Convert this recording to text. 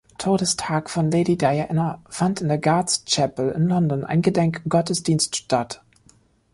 Todestag von Lady Diana, fand in der Guards Chapel in London ein Gedenkgottesdienst statt.